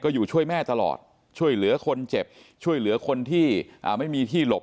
อยู่ช่วยแม่ตลอดช่วยเหลือคนเจ็บช่วยเหลือคนที่ไม่มีที่หลบ